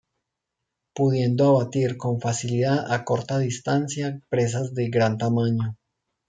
Pudiendo abatir con facilidad a corta distancia presas de gran tamaño.